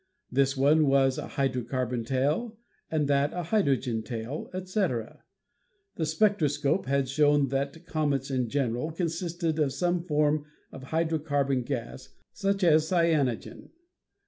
This one was a hydrocarbon tail and that a hydrogen tail, etc. The spectroscope had shown that comets in general consisted of some form of hydro carbon gas (such as cyanogen).